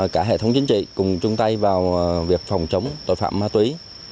cả hệ thống chính trị cùng chung tay vào việc phòng chống tội phạm ma túy